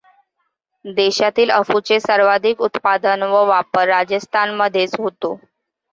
देशातील अफूचे सर्वाधिक उत्पादन व वापर राजस्थानमध्येच होतो.